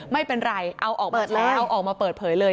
ไม่เป็นไรเอาออกมาแล้วเอาออกมาเปิดเผยเลย